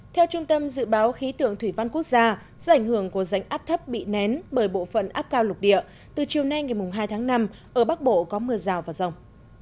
theo trung tâm dự báo khí tượng thủy văn quốc gia do ảnh hưởng của rãnh áp thấp bị nén bởi bộ phận áp cao lục địa từ chiều nay ngày hai tháng năm ở bắc bộ có mưa rào và rông